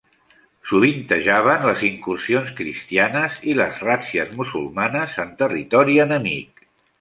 Sovintejaven les incursions cristianes i les ràtzies musulmanes en territori enemic.